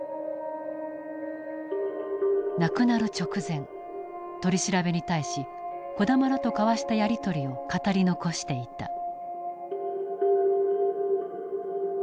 亡くなる直前取り調べに対し児玉らと交わしたやり取りを語り残していた。